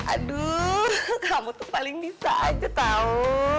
aduh kamu tuh paling bisa aja tau